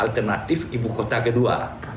alternatif ibu kota kedua